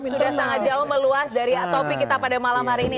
sudah sangat jauh meluas dari topik kita pada malam hari ini